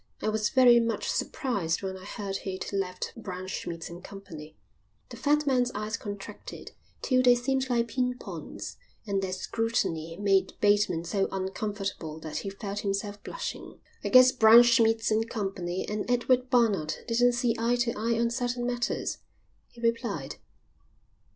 I was very much surprised when I heard he'd left Braunschmidt & Co." The fat man's eyes contracted till they seemed like pin points, and their scrutiny made Bateman so uncomfortable that he felt himself blushing. "I guess Braunschmidt & Co. and Edward Barnard didn't see eye to eye on certain matters," he replied.